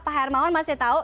pak hermawan masih tahu